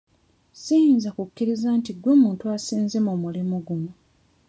Siyinza kukkiriza nti gwe muntu asinze mu mulimu guno.